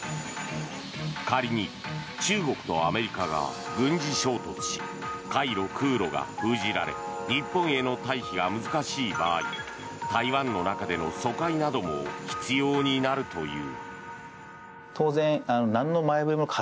仮に中国とアメリカが軍事衝突し海路、空路が封じられ日本への退避が難しい場合台湾の中での疎開なども必要になるという。